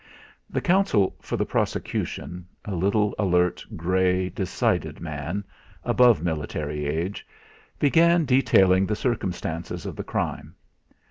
The Counsel for the prosecution, a little, alert, grey, decided man, above military age, began detailing the circumstances of the crime.